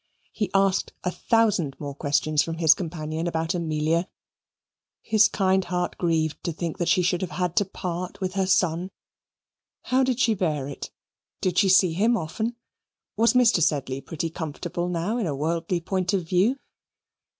He asked a thousand more questions from his companion about Amelia: his kind heart grieved to think that she should have had to part with her son. How did she bear it? Did she see him often? Was Mr. Sedley pretty comfortable now in a worldly point of view?